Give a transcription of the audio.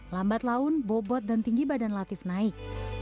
lambat laun bobot dan tinggi badan latif naik